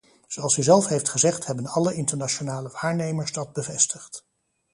Zoals u zelf heeft gezegd hebben alle internationale waarnemers dat bevestigd.